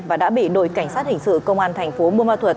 và đã bị đội cảnh sát hình sự công an thành phố bùa mà thuật